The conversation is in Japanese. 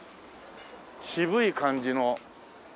渋い感じの。